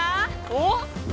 おっ！